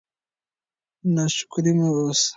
ناشکره مه اوسئ.